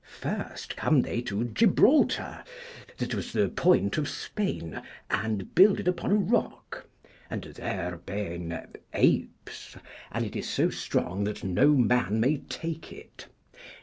First come they to Gibraltar, that was the point of Spain, and builded upon a rock; and there ben apes, and it is so strong that no man may take it.